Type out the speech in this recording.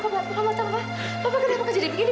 bapak kenapa jadi begini